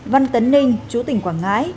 văn tấn ninh chú tỉnh quảng ngãi